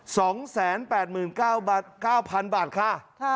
สองแสนแปดหมื่นเก้าบาทเก้าพันบาทค่ะค่ะ